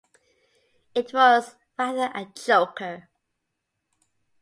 It was rather a choker.